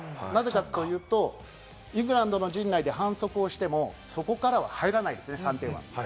なぜかというとイングランドの陣内で反則をしても、そこからは入らないですね、３点は。